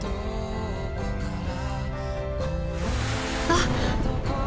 あっ！